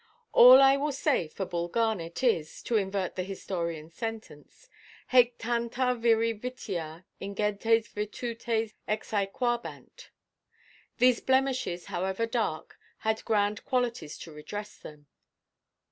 All I will say for Bull Garnet is (to invert the historianʼs sentence) "Hæc tanta viri vitia ingentes virtutes exæquabant"—"These blemishes, however dark, had grand qualities to redress them."